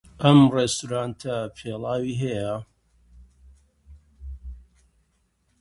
پێویستە پێش سبەی کارەکە بکەین.